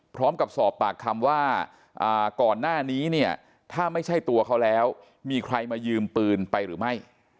พร้อมกับสอบปากคำว่าก่อนหน้านี้เนี่ยถ้าไม่ใช่ตัวเขาแล้วมีใครมายืมปืนไปหรือไม่